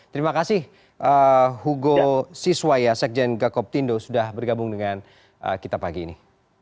terima kasih hugo siswaya sekjen gakoptindo sudah bergabung dengan kita pagi ini